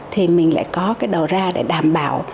thì mình lại có cái đầu ra để đảm bảo